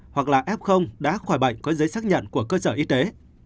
hoặc là f đã khỏi bệnh có giấy xác nhận của cơ sở y tế